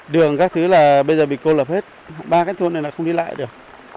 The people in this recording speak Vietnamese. đường các thứ là bây giờ bị cô lập hết ba cái thôn này là không đi lại được